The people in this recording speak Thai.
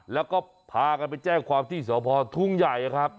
แล้วก็พากันไปแจ้งความที่สพทุ่งใหญ่ครับ